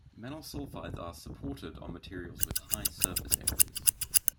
Metal sulfides are "supported" on materials with high surface areas.